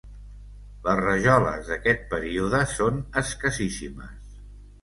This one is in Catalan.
Les rajoles d'aquest període són escassíssimes.